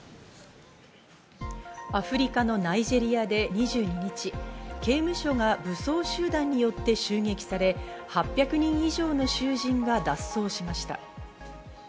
アフリカのナイジェリアで２２日、刑務所が武装集団によって襲撃され、８００人以上の囚人が脱走しました。